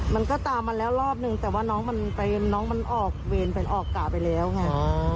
มันก็ตามมาแล้วรอบนึงแต่ว่าน้องมันไปน้องมันออกเวรเป็นออกกะไปแล้วไง